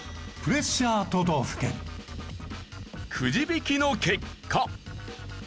くじ引きの結果。